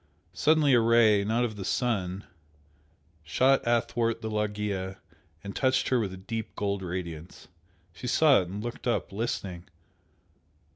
Suddenly a Ray, not of the sun, shot athwart the loggia and touched her with a deep gold radiance. She saw it and looked up, listening.